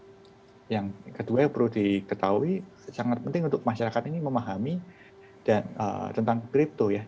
jadi kalau yang kedua yang perlu diketahui sangat penting untuk masyarakat ini memahami tentang kripto ya